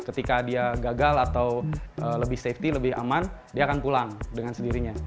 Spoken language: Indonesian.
ketika dia gagal atau lebih safety lebih aman dia akan pulang dengan sendirinya